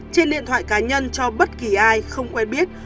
trên điện thoại cá nhân cho bất kỳ ai không quen biết